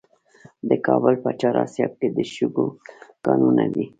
د کابل په چهار اسیاب کې د شګو کانونه دي.